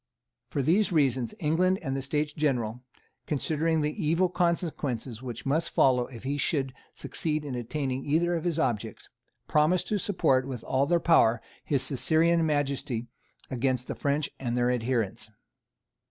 For these reasons, England and the States General, considering the evil consequences which must follow if he should succeed in attaining either of his objects, promised to support with all their power his Caesarean Majesty against the French and their adherents.